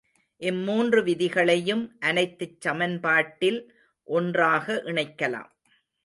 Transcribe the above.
இம்மூன்று விதிகளையும் அனைத்துச் சமன்பாட்டில் ஒன்றாக இணைக்கலாம்.